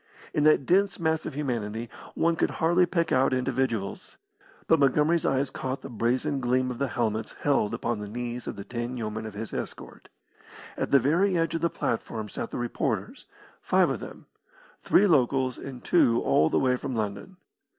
In that dense mass of humanity, one could hardly pick out individuals, but Montgomery's eyes caught the brazen gleam of the helmets held upon the knees of the ten yeomen of his escort. At the very edge of the platform sat the reporters, five of them three locals and two all the way from London.